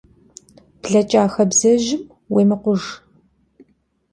Bleç'a xabzejım vukhêmıkhujj.